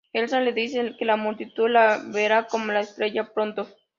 Elsa le dice que la multitud la verá como la estrella pronto.